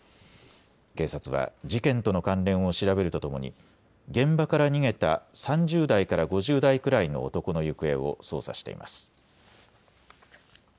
警察は事件との関連を調べるとともに現場から逃げた３０代から５０代くらいの男の行方を捜査しています。